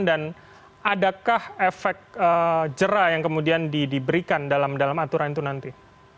dan adakah efek jera yang kemudian diberikan dalam aturan itu nanti